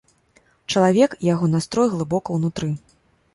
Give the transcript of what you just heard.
Чалавек і яго настрой глыбока ўнутры.